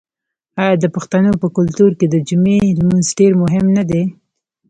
آیا د پښتنو په کلتور کې د جمعې لمونځ ډیر مهم نه دی؟